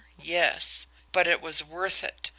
Yes. But it was worth it!